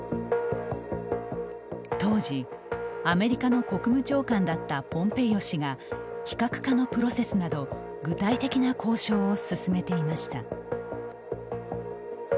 当時、アメリカの国務長官だったポンペイオ氏が非核化のプロセスなど具体的な交渉を進めていました。